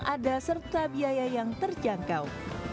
ada serta biaya yang terjangkau